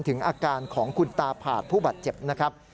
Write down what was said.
ถึงอาการของคุณตาผาดผู้บาดเจ็บนะครับ